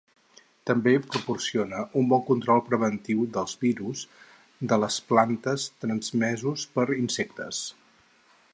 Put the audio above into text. També proporciona un bon control preventiu dels virus de les plantes transmesos per insectes.